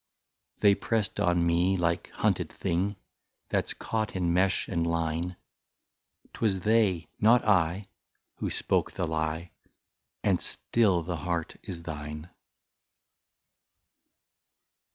They pressed on me, like hunted thing. That 's caught in mesh and line ; 'T was they, not I, who spoke the lie. And still the heart is thine.